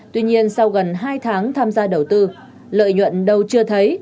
tuy nhiên sau gần hai tháng tham gia đầu tư lợi nhuận đâu chưa thấy